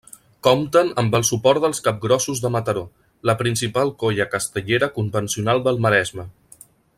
Compten amb el suport dels Capgrossos de Mataró, la principal colla castellera convencional del Maresme.